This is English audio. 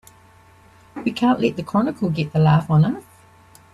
We can't let the Chronicle get the laugh on us!